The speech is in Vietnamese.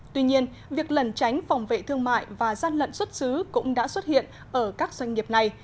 tuy nhiên việc lần tránh phòng vệ thương mại và gian lận xuất xứ cũng đã xuất hiện ở các doanh nghiệp này